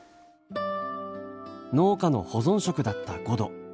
農家の保存食だったごど。